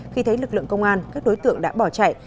khi thấy lực lượng công an các đối tượng đã bỏ chạy